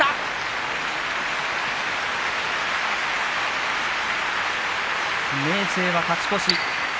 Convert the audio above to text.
拍手明生は勝ち越し